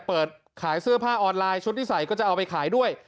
เปิดขายเสื้อผ้าออนไลน์ชุดที่ใส่ก็จะเอาไปขายด้วย